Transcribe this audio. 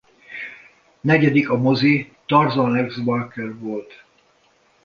Negyedik a mozi-Tarzan Lex Barker volt.